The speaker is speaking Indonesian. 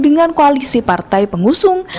dengan koalisi partai pengusung